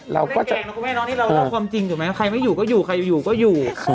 เราก็จะน้องคุณแม่น้องนี่เราเล่าความจริงจริงไหมใครไม่อยู่ก็อยู่ใครอยู่ก็อยู่